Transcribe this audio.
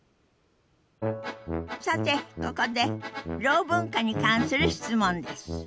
さてここでろう文化に関する質問です。